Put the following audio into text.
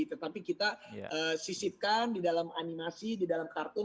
tetapi kita sisipkan di dalam animasi di dalam kartun